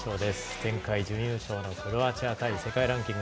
前回準優勝のクロアチア対世界ランキング